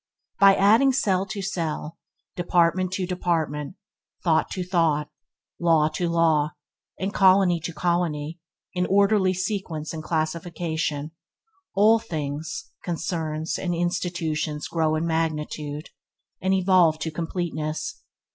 By adding cell to cell, department to department, thought to thought, law to law, and colony to colony in orderly sequence and classification, all things, concerns and institutions grow in magnitude, and evolve to completeness.